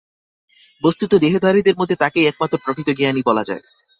বস্তুত দেহধারীদের মধ্যে তাঁকেই একমাত্র প্রকৃত জ্ঞানী বলা যায়।